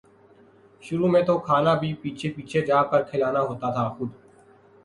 شروع میں تو کھانا بھی پیچھے پیچھے جا کر کھلانا ہوتا تھا خود